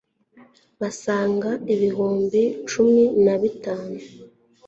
basaga ibihumbi cumi na bitanu